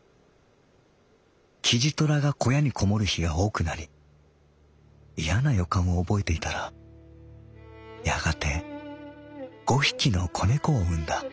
キジトラが小屋にこもる日が多くなり厭な予感をおぼえていたらやがて五匹の仔猫を産んだ」。